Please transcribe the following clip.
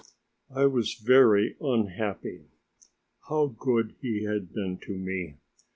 I was very unhappy. How good he had been to me!